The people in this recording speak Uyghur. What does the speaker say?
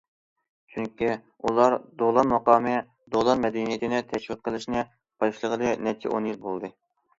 چۈنكى ئۇلار دولان مۇقامى، دولان مەدەنىيىتىنى تەشۋىق قىلىشنى باشلىغىلى نەچچە ئون يىل بولدى.